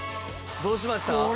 どうしました？